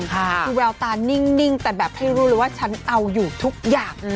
คือแววตานิ่งแต่แบบให้รู้เลยว่าฉันเอาอยู่ทุกอย่าง